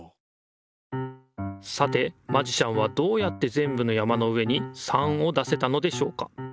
さてマジシャンはどうやってぜんぶの山の上に３を出せたのでしょうか。